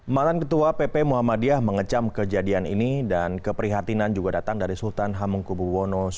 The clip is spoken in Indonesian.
mantan ketua pp muhammadiyah mengecam kejadian ini dan keprihatinan juga datang dari sultan hamengkubuwono x